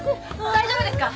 大丈夫ですか！？